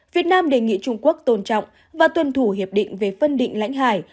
việt nam đề nghị trung quốc tôn trọng và tuân thủ hiệp định về phân định lãnh hải